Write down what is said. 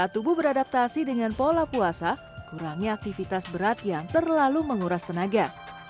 tubuh beradaptasi dengan pola puasa kurangi aktivitas berat yang terlalu menguras tenaga